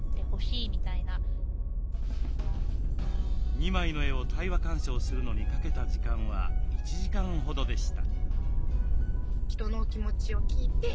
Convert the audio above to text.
２枚の絵を対話鑑賞するのにかけた時間は１時間ほどでした。